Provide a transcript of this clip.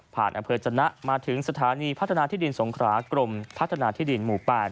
อำเภอจนะมาถึงสถานีพัฒนาที่ดินสงครากรมพัฒนาที่ดินหมู่๘